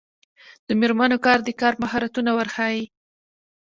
د میرمنو کار د کار مهارتونه ورښيي.